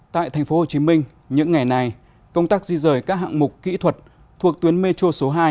tại tp hcm những ngày này công tác di rời các hạng mục kỹ thuật thuộc tuyến metro số hai